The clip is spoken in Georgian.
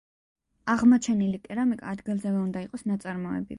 აღმოჩენილი კერამიკა ადგილზევე უნდა იყოს ნაწარმოები.